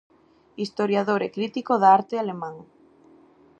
Historiador e crítico da arte alemán.